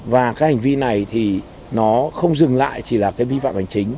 và cái hành vi này thì nó không dừng lại chỉ là cái vi phạm hành chính